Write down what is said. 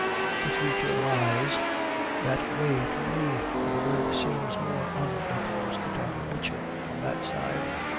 The future lies that way to me, and the earth seems more unexhausted and richer on that side.